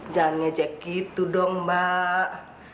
jalan ngejek gitu dong mbak